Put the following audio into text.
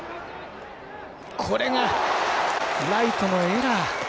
これがライトのエラー。